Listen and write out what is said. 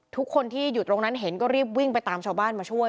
ทุกคนที่อยู่ตรงนั้นเห็นก็รีบวิ่งไปตามชาวบ้านมาช่วย